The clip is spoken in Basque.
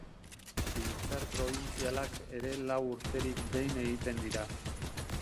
Biltzar Probintzialak ere lau urterik behin egiten dira.